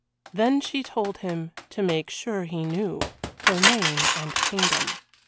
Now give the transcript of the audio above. Then she told him to make sure he knew her name and kingdom.